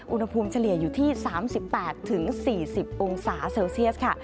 เฉลี่ยอยู่ที่๓๘๔๐องศาเซลเซียสค่ะ